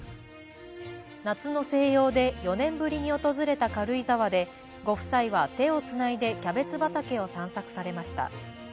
夏の静養で４年ぶりに訪れた軽井沢でご夫妻は手をつないでキャベツ畑を散策されました。